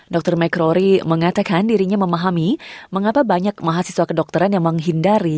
dr mccrory mengatakan dirinya memahami demoralisasi